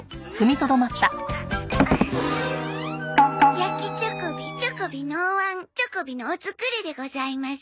やきチョコビチョコビのおわんチョコビのお造りでございます。